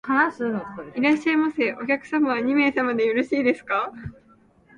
いらっしゃいませ。お客様は二名様でよろしいですか？